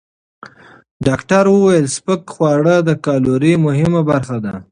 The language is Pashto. ډاکټره وویل، سپک خواړه د کالورۍ مهمه برخه دي.